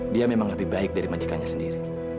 dia memang lebih baik dari majikannya sendiri